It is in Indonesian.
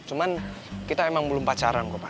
cuman kita emang belum pacaran kok pak